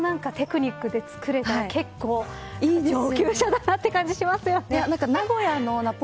村上さん、あのテクニックで作れたら結構いい上級者だなという感じしますよね。